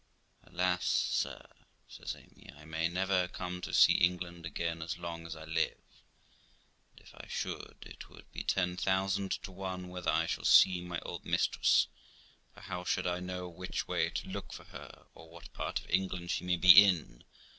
' Alas, sir !', says Amy, ' I may never come to see England again as long as I live; and, if I should, it would be ten thousand to one whether I shall see my old mistress, for how should I know which way to look for her, or what part of England she may be in?